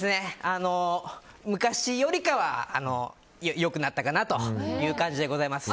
昔よりかは良くなったかなという感じでございます。